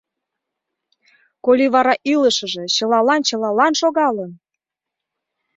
Коли вара илышыже чылалан-чылалан шогалын?